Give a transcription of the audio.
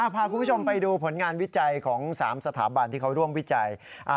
พาคุณผู้ชมไปดูผลงานวิจัยของ๓สถาบันที่เขาร่วมวิจัย